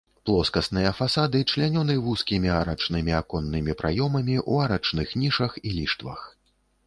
Плоскасныя фасады члянёны вузкімі арачнымі аконнымі праёмамі ў арачных нішах і ліштвах.